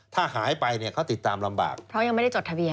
ถ้าหายไปเนี่ยเขาติดตามลำบากเพราะยังไม่ได้จดทะเบียน